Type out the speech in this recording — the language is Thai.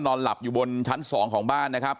นอนหลับอยู่บนชั้น๒ของบ้านนะครับ